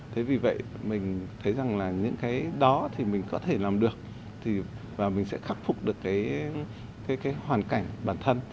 thế vì vậy mình thấy rằng là những cái đó thì mình có thể làm được và mình sẽ khắc phục được cái hoàn cảnh bản thân